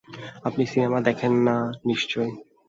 আপনি সিনেমা দেখেন না নিশ্চয়ই?